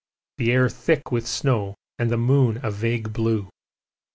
the air thick with snow, and the moon a vague blue.